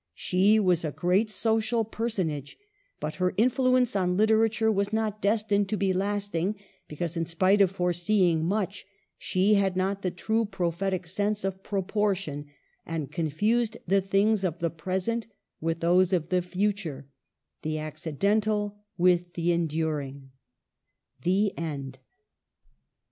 She was a great social personage, but her influence on literature was not destined to be lasting, because, in spite of foreseeing much, she had not the true prophetie sense of proportion, and confused the things of the pres ent with those of the future — the accidental with the enduring. THE END.